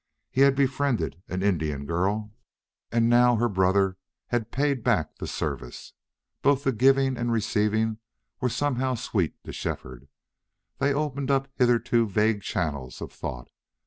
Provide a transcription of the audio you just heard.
He had befriended an Indian girl, and now her brother had paid back the service. Both the giving and receiving were somehow sweet to Shefford. They opened up hitherto vague channels of thought.